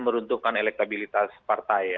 meruntuhkan elektibilitas partai